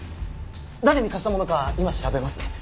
誰に貸したものか今調べますね。